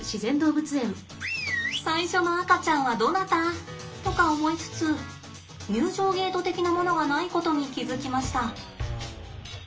最初の赤ちゃんはどなた？とか思いつつ入場ゲート的なものがないことに気付きました。